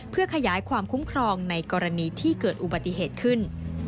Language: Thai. เพื่อขยายความคุ้มครองในกรณีที่เกิดอุบัติเหตุขึ้น